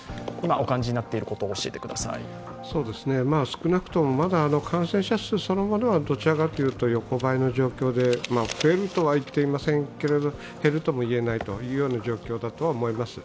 少なくともまだ感染者数そのものはどちらかというと横ばいの状況で、増えるとは言っていませんけども、減るともいえないような状況だと思います。